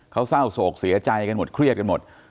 เขาเศร้าโศกเสียใจกันหมดเครียดกันหมด